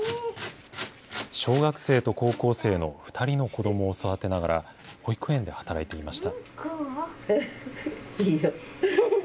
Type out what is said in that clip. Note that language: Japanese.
小学生と高校生の２人の子どもを育てながら、保育園で働いていました。